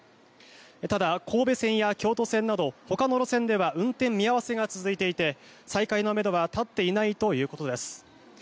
ただ、神戸線や京都線などほかの路線では運転見合わせが続いていて再開のめどは立っていないということです。